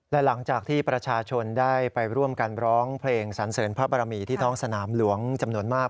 และหลังจากที่ประชาชนได้ไปร่วมกันร้องเพลงสันเสริญพระบรมีที่ท้องสนามหลวงจำนวนมาก